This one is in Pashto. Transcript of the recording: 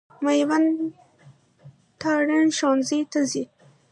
مېوند تارڼ ښوونځي ته ځي.